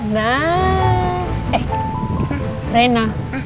nah eh rena